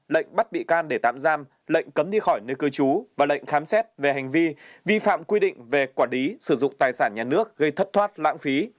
lệnh bắt bị can để tạm giam lệnh cấm đi khỏi nơi cư trú và lệnh khám xét về hành vi vi phạm quy định về quản lý sử dụng tài sản nhà nước gây thất thoát lãng phí